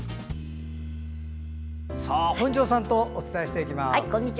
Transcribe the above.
本庄さんとお伝えしていきます。